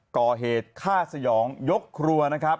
ก่อเหตุฆ่าสยองยกครัวนะครับ